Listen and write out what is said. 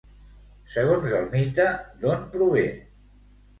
Segons el mite, d'on prové?